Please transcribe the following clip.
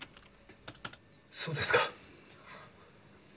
そうですか。